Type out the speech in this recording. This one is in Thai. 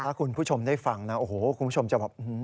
ถ้าคุณผู้ชมได้ฟังนะโอ้โหคุณผู้ชมจะแบบ